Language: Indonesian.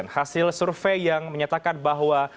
hasil survei yang menyatakan bahwa